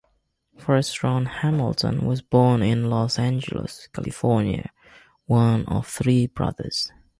Foreststorn Hamilton was born in Los Angeles, California, one of three brothers.